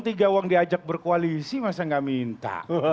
tiga uang diajak berkoalisi masa nggak minta